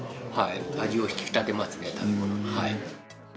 味を引き立てますね、食べ物の。